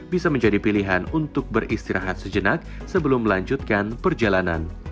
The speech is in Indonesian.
bisa menjadi pilihan untuk beristirahat sejenak sebelum melanjutkan perjalanan